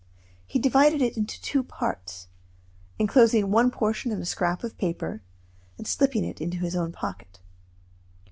He divided it into two parts, enclosing one portion in a scrap of paper, and slipping it into his own pocket.